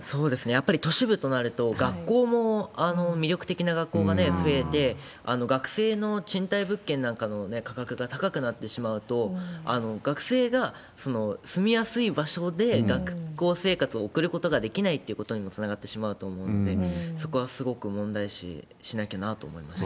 やっぱり都市部となると、学校も魅力的な学校がね、増えて、学生の賃貸物件なんかの価格が高くなってしまうと、学生が住みやすい場所で学校生活を送ることができないっていうことにもつながってしまうと思うので、そこはすごく問題視しなきゃなと思います。